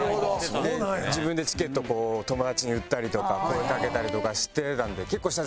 で自分でチケットを友達に売ったりとか声かけたりとかしてたんで結構下積みはありましたね。